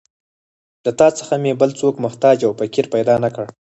له تا څخه مې بل څوک محتاج او فقیر پیدا نه کړ.